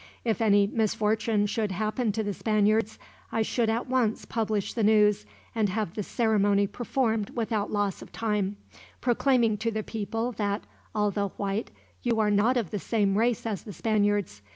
If any misfortune should happen to the Spaniards, I should at once publish the news, and have the ceremony performed without loss of time; proclaiming to the people that, although white, you are not of the same race as the Spaniards.